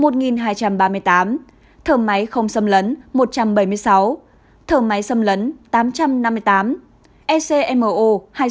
thở máy không xâm lấn một trăm bảy mươi sáu thở máy xâm lấn tám trăm năm mươi tám ecmo hai trăm sáu mươi